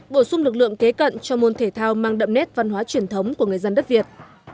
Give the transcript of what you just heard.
bổ sung lực lượng kế cận cho môn thể thao mang đậm nét văn hóa truyền thống của người dân đất việt